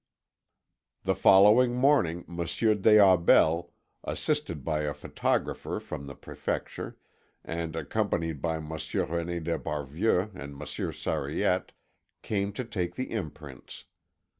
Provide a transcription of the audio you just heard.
The following morning Monsieur des Aubels, assisted by a photographer from the Prefecture, and accompanied by Monsieur René d'Esparvieu and Monsieur Sariette, came to take the imprints.